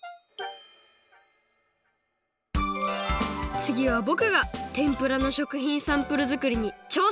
つぎはぼくがてんぷらの食品サンプルづくりにちょうせん！